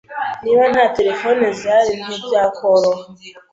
Niba nta terefone zihari, ntibyakoroha